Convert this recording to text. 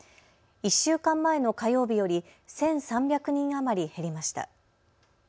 １週間前の火曜日より１３００人余り減りました。